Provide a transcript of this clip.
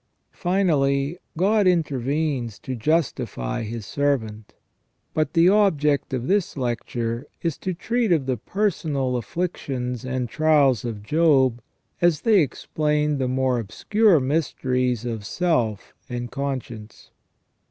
Finally, God intervenes to justify His servant. But the object of this lecture is to treat of the personal afflictions and trials of Job 154 SELF AND CONSCIENCE as they explain the more obscure mysteries of self and con science.